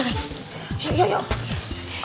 yuk yuk yuk